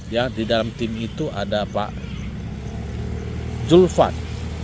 ya di dalam tim itu ada pak julvan